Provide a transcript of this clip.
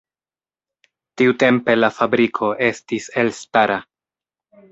Tiutempe la fabriko estis elstara.